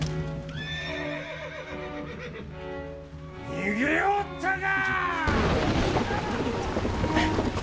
逃げおったか！